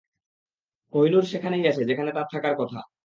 কোহিনূর সেখানেই আছে, যেখানে তার থাকার কথা!